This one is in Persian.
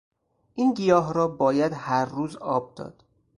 این گیاه را باید هر روز آب داد.